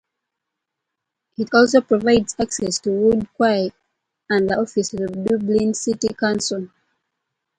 It also provides access to Wood Quay and the offices of Dublin City Council.